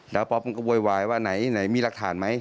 แล้วป๊อปมันก็โวยวายว่าไหนมีหลักฐานไหม